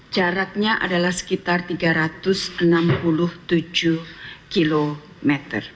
jaraknya adalah sekitar tiga ratus enam puluh tujuh km